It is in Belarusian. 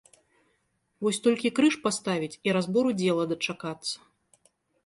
Вось толькі крыж паставіць і разбору дзела дачакацца!